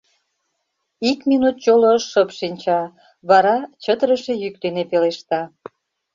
Ик минут чоло шып шинча, вара чытырыше йӱк дене пелешта: